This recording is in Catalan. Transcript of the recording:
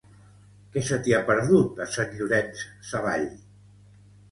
Què se t'hi ha perdut, a Sant Llorenç Savall?